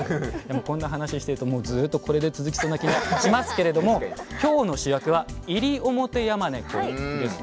こんな話してるともうずっとこれで続きそうな気がしますけれども今日の主役はイリオモテヤマネコです。